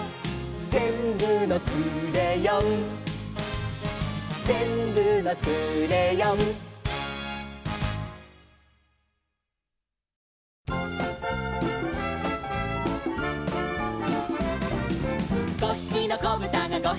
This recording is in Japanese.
「ぜんぶのクレヨン」「ぜんぶのクレヨン」「５ひきのこぶたが５ひきのこぶたが」